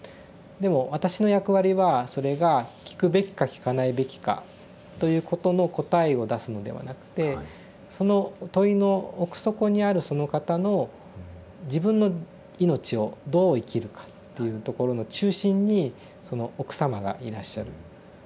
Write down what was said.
でも私の役割はそれが聞くべきか聞かないべきかということの答えを出すのではなくてその問いの奥底にあるその方の自分の命をどう生きるかっていうところの中心にその奥様がいらっしゃる。